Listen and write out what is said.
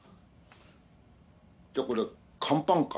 じゃあこれカンパンか。